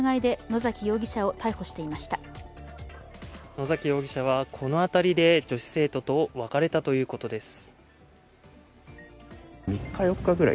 野崎容疑者はこの辺りで女子生徒と別れたということです。